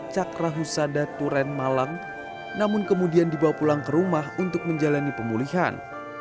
cakra husada turen malang namun kemudian dibawa pulang ke rumah untuk menjalani pemulihan